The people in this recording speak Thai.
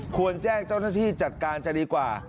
ควรแจ้งเจ้าหน้าที่จัดการจะดีกว่า